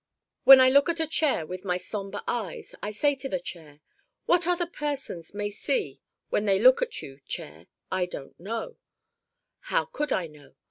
When I look at a chair with my somber eyes I say to the chair, 'What other persons may see when they look at you, chair, I don't know how could I know?